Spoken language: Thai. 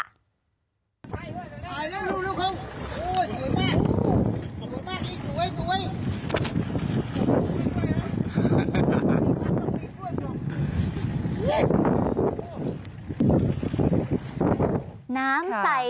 ไปเร็วเร็วเร็วเข้าโอ๊ยสวยมากสวยมากไอ้สวยสวย